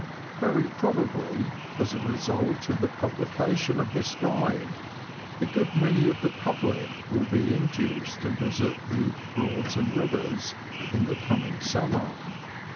Very probably, as a result of the publication of this guide, a good many of the public will be induced to visit the " Broads and Bivers " in the coming summ£r.